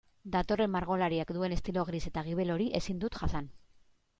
Datorren margolariak duen estilo gris eta gibel hori ezin dut jasan.